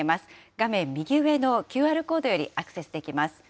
画面右上のＱＲコードよりアクセスできます。